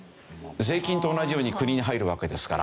税金と同じように国に入るわけですから。